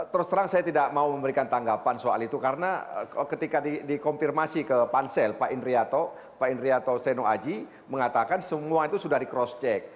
terus terang saya tidak mau memberikan tanggapan soal itu karena ketika dikonfirmasi ke pansel pak indrianto seno aji mengatakan semua itu sudah di cross check